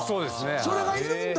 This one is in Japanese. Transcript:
それがいるんだ！